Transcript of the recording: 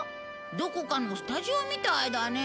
どこかのスタジオみたいだね。